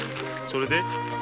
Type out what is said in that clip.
それで？